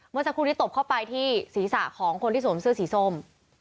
เมื่อสักครู่นี้ตบเข้าไปที่ศีรษะของคนที่สวมเสื้อสีส้ม